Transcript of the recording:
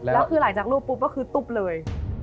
แล้วคือหลังจากรูปปุ๊บก็คือตุ๊บเลย